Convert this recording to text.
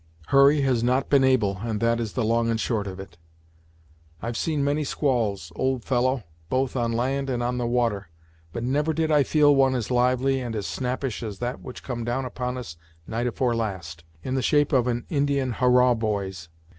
Hurry has not been able, and that is the long and short of it. I've seen many squalls, old fellow, both on land and on the water, but never did I feel one as lively and as snappish as that which come down upon us, night afore last, in the shape of an Indian hurrah boys!